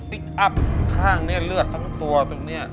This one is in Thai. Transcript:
พลิกอัพข้างเนี่ยเลือดทั้งตัวตรงเนี่ย